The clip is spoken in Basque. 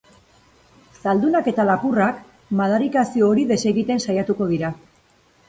Zaldunak eta lapurrak madarikazio hori desegiten saiatuko dira.